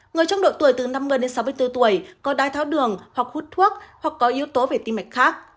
người trong độ tuổi từ năm mươi đến sáu mươi bốn tuổi có đai tháo đường hoặc hút thuốc hoặc có yếu tố về tim mạch khác